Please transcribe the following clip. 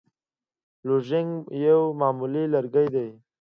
لوژینګ یو معمولي لرګی دی.